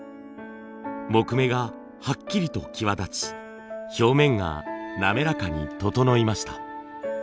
木目がはっきりと際立ち表面が滑らかに整いました。